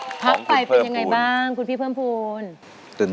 ของคุณเพิ่มภูมิพักไฟเป็นยังไงบ้างคุณพี่เพิ่มภูมิ